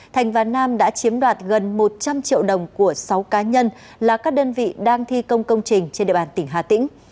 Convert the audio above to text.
thành và nam đã chiếm đoạt gần một trăm linh triệu đồng của sáu cá nhân là các đơn vị đang thi công công trình trên địa bàn tỉnh hà tĩnh